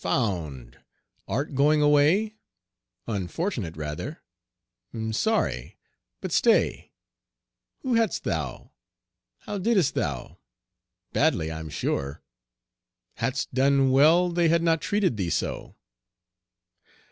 Found! Art going away? Unfortunate rather! 'm sorry! but stay! Who hadst thou? How didst thou? Badly, I'm sure. Hadst done well they had not treated thee so.